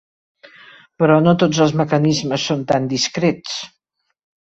Però no tots els mecanismes són tan discrets.